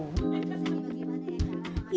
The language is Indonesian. maksudnya bagaimana ya